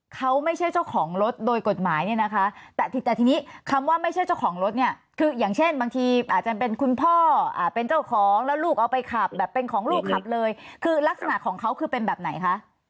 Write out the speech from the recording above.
เขาไม่ใช่เจ้าของรถโดยกฎหมายเนี่ยนะคะแต่ทีนี้คำว่าไม่ใช่เจ้าของรถเนี่ยคืออย่างเช่นบางทีอาจจะเป็นคุณพ่อเป็นเจ้าของแล้วลูกเอาไปขับแบบเป็นของลูกขับเลยคือลักษณะของเขาคือเป็นแบบไหนคะ